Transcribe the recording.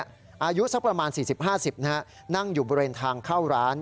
อายุสักประมาณ๔๐๕๐นั่งอยู่บริเวณทางเข้าร้าน